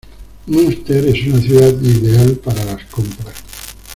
Münster es una ciudad ideal para las compras.